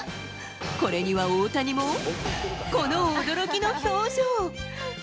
これには大谷もこの驚きの表情。